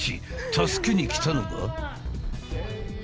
助けに来たのが。